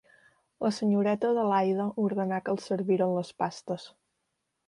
La senyoreta Adelaida ordenà que els serviren les pastes.